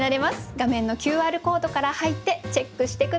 画面のＱＲコードから入ってチェックして下さい。